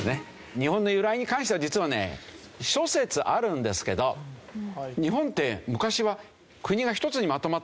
日本の由来に関しては実はね諸説あるんですけど日本って昔は国が一つにまとまってなかったわけですよね。